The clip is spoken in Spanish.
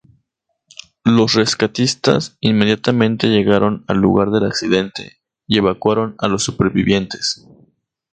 Los rescatistas inmediatamente llegaron al lugar del accidente y evacuaron a los supervivientes.